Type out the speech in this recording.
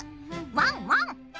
ワンワン！